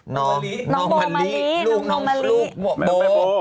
น้องมาลีลูกของมโมะโบ